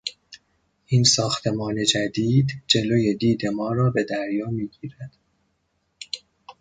این ساختمان جدید جلو دید ما را به دریا میگیرد.